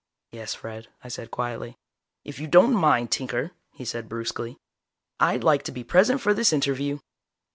"Yes, Fred?" I said quietly. "If you don't mind, Tinker," he said brusquely. "I'd like to be present for this interview."